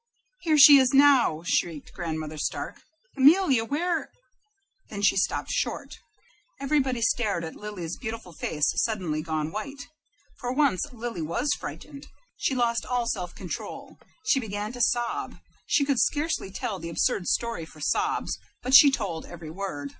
"Here she is now," shrieked Grandmother Stark. "Amelia, where " Then she stopped short. Everybody stared at Lily's beautiful face suddenly gone white. For once Lily was frightened. She lost all self control. She began to sob. She could scarcely tell the absurd story for sobs, but she told, every word.